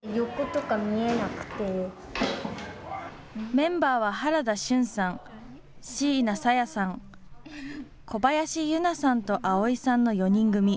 メンバーは原田旬さん、椎名紗矢さん、小林結愛さんと葵さんの４人組。